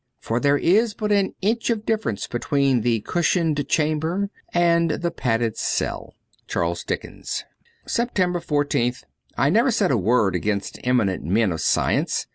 For there is but an inch of difference between the cushioned chamber and the padded cell. 'Charles Dickons.' 286 SEPTEMBER 14th I NEVER said a word against eminent men of science.